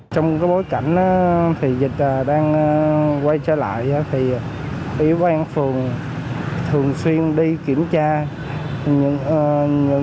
trong bối cảnh dịch đang quay trở lại thì ủy ban phường thường xuyên đi kiểm tra những người dân tụ tập